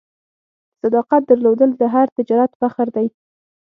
د صداقت درلودل د هر تجارت فخر دی.